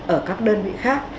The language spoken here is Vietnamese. ở các đơn vị khác